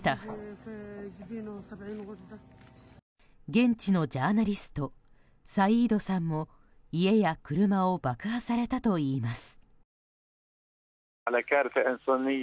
現地のジャーナリストサイードさんも家や車を爆破されたといいます。